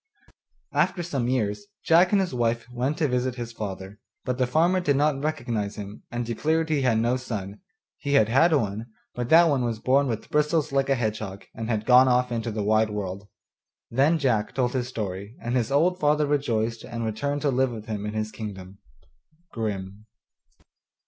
After some years Jack and his wife went to visit his father, but the farmer did not recognize him, and declared he had no son; he had had one, but that one was born with bristles like a hedgehog, and had gone off into the wide world. Then Jack told his story, and his old father rejoiced and returned to live with him in his kingdom. Grimm.